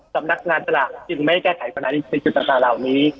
สำนักงานสลักจึงไม่ได้แก้ไขกรณานิสัยชุดศาลเหล่านี้